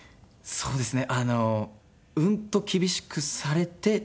そうですね。